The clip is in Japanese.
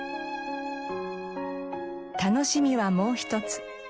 楽しみはもう一つ。